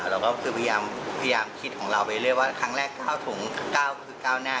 เราก็คือพยายามพยายามคิดของเราไปเรื่อยเรื่อยว่าครั้งแรกเก้าถุงเก้าคือเก้าหน้า